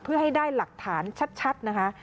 เพื่อให้ได้หลักฐานชัดนะคะ